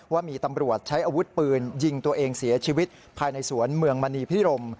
ว่ามีตำรวจใช้อาวุธปืนยิงตัวเองเสียชีวิตภายในสวนเมืองมณีพิรม